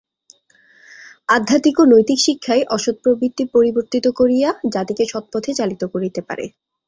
আধ্যাত্মিক ও নৈতিক শিক্ষাই অসৎ প্রবৃত্তি পরিবর্তিত করিয়া জাতিকে সৎপথে চালিত করিতে পারে।